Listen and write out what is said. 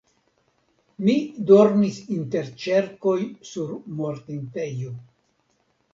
Mi dormis inter ĉerkoj sur mortintejo.